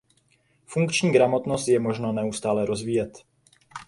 Funkční gramotnost je možno neustále rozvíjet.